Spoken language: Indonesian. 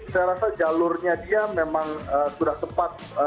saya rasa jalurnya dia memang sudah tepat